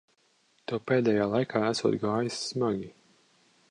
Tev pēdējā laikā esot gājis smagi.